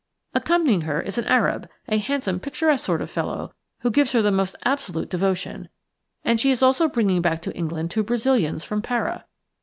Accompanying her is an Arab, a handsome, picturesque sort of fellow, who gives her the most absolute devotion, and she is also bringing back to England two Brazilians from Para.